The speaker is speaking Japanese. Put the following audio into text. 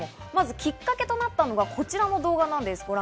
まずきっかけとなったのはこちらの動画です。